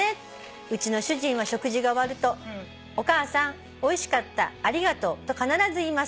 うちの主人は食事が終わると『お母さんおいしかった。ありがとう』と必ず言います」